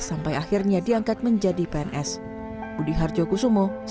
sampai akhirnya diangkat menjadi pns